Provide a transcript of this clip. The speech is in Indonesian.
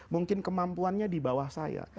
mungkin kemampuannya di bawah saya